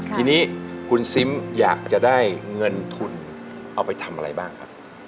ทีนี้คุณซิมอยากจะได้เงินทุนเอาไปทำอะไรบ้างครับ